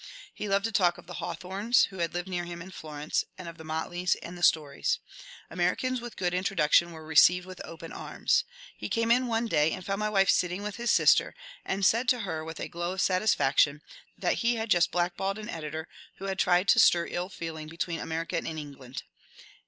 He loved to talk of the Hawthomes, who had lived near him in Florence, and of the Motleys and the Storys. Americans with good intro duction were received with open arms. He came in one day and found my wife sitting with his sister, and said to her with a glow of satisfaction, that he had just black balled an editor who had tried to stir ill feeling between America and Eng land.